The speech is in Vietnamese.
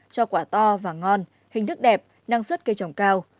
cho quả to và ngon hình thức đẹp năng suất cây trồng cao